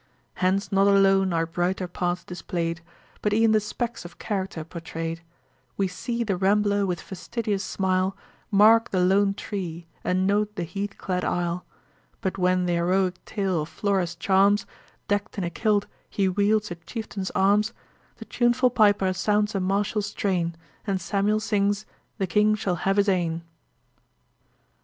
Hence not alone are brighter parts display'd, But e'en the specks of character pourtray'd: We see the Rambler with fastidious smile Mark the lone tree, and note the heath clad isle; But when th' heroick tale of Flora's charms, Deck'd in a kilt, he wields a chieftain's arms: The tuneful piper sounds a martial strain, And Samuel sings, "The King shall have his ain."'